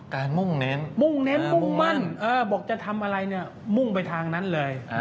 มุ่งเน้นมุ่งเน้นมุ่งมั่นบอกจะทำอะไรเนี่ยมุ่งไปทางนั้นเลย